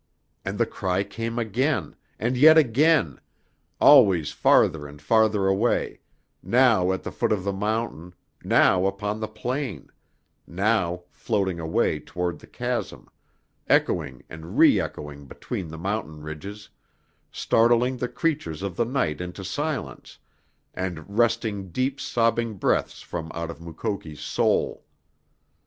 And the cry came again, and yet again, always farther and farther away, now at the foot of the mountain, now upon the plain, now floating away toward the chasm, echoing and reechoing between the mountain ridges, startling the creatures of the night into silence, and wresting deep sobbing breaths from out of Mukoki's soul.